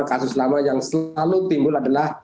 kasus lama yang selalu timbul adalah